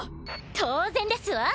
当然ですわ。